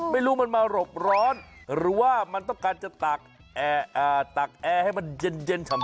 ไม่รู้มันมาหลบร้อนหรือว่ามันต้องการจะตักแอร์ให้มันเย็นฉ่ำ